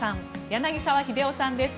柳澤秀夫さんです。